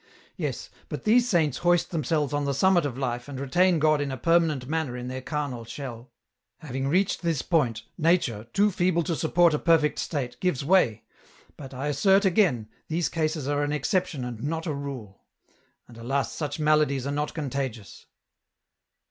Yes, but these saints hoist themselves on the summit of life and retain God in a permanent manner in their carnal shell. Having reached this point, nature, too feeble to support a perfect state, gives way, but, I assert again, these cases are an exception and not a rule. And, alas, such maladies are not contagious.